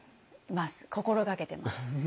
心掛けてます。